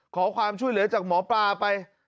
ขอความช่วยเหลือจากหมอปลาไป